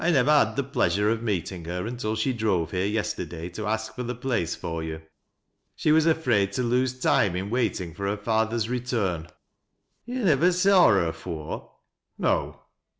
never had the pleasure of seeing her until she drove here yesterday to ask for the place for you. She was afraid to lose time in waiting for her father's return." " Yo' nivver saw her afore ?"« No."